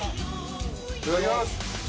いただきます。